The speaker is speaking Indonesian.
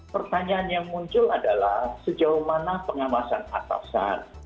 pertanyaan yang muncul adalah sejauh mana pengawasan atasan